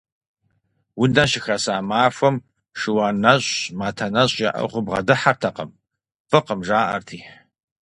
Унэ щыхаса махуэм шыуан нэщӀ, матэ нэщӀ яӀыгъыу бгъэдыхьэртэкъым, фӀыкъым, жаӀэрти.